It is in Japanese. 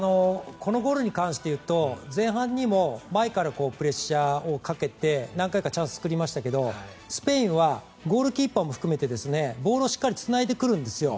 このゴールに関して言うと前半にも前からプレッシャーをかけて何回かチャンスを作りましたけどスペインはゴールキーパーも含めてボールをしっかりつないでくるんですよ。